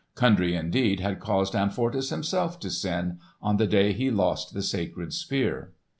Kundry, indeed, had caused Amfortas himself to sin, on the day he lost the Sacred Spear.